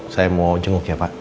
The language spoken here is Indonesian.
saya mau jenguk ya pak